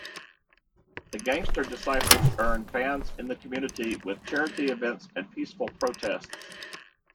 The Gangster Disciples earned fans in the community with charity events and peaceful protests.